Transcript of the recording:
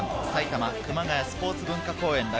埼玉熊谷スポーツ文化公園